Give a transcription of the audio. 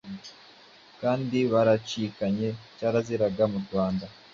kandi baracikanye.cyaraziraga murwanda